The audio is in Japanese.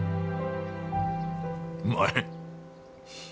うまい。